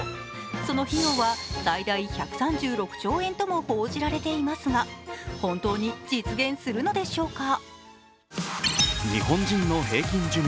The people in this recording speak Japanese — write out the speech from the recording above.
その費用は最大１３６兆円とも報じられていますが本当に実現するのでしょうか。